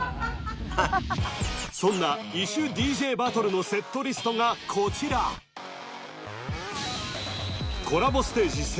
はいそんな異種ＤＪバトルのセットリストがこちらコラボステージ